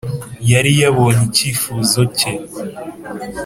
yari yabonye icyifuzo cye,